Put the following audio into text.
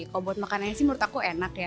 kalau buat makanannya sih menurut aku enak ya